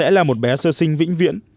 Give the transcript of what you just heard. sẽ là một bé sơ sinh vĩnh viễn